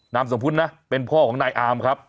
นามสมมุตินะเป็นพ่อของนายอามครับ